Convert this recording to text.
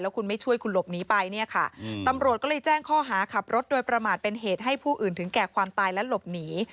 คุณไม่ช่วยคุณหลบหนีไปเนี่ยค่ะตำรวจก็เลยแจ้งข้อหาขับรถโดยประมาทเป็นเหตุให้ผู้อื่นถึงแก่ความตายและหลบหนี